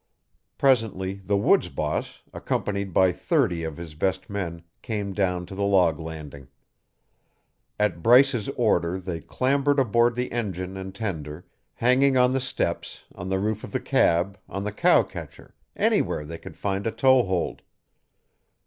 Presently the woods boss, accompanied by thirty of his best men, came down to the log landing. At Bryce's order they clambered aboard the engine and tender, hanging on the steps, on the roof of the cab, on the cowcatcher anywhere they could find a toe hold.